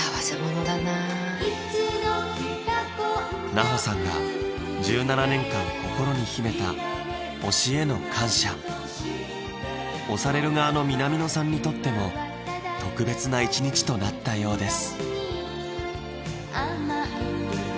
奈穂さんが１７年間心に秘めた推しへの感謝推される側の南野さんにとっても特別な一日となったようです